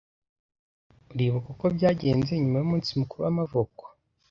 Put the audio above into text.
Uribuka uko byagenze nyuma yumunsi mukuru wamavuko?